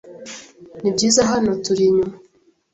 Nibyiza, hano turi nyuma.